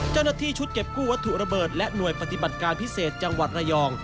เจ้าหน้าที่ชุดเก็บกู้วัตถุระเบิดและหน่วยปฏิบัติการพิเศษจังหวัดระยอง